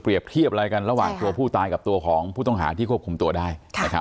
เทียบอะไรกันระหว่างตัวผู้ตายกับตัวของผู้ต้องหาที่ควบคุมตัวได้